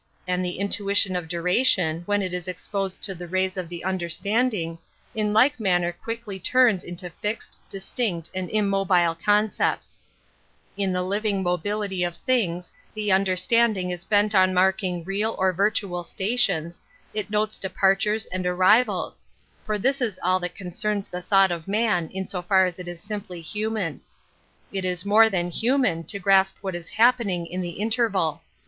And the intuition of dura: tion, when it is exposed to the rays of the understanding, in like manner quickly turns into fixed, distinct, and immobile concepts. kletapnysics 77 [ In the living mobility of things the un I deratandiug is bent on marking real or I virtual stations, it notes departures and arrivals; for this is all that concerns the I thought of man in so far as it is simply human. It is more than human to grasp what is happening in the interval.